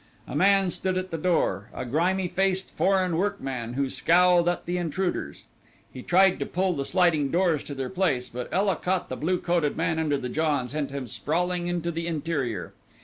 A man stood at the door, a grimy faced foreign workman who scowled at the intruders. He tried to pull the sliding doors to their place, but Ela caught the blue coated man under the jaw and sent him sprawling into the interior.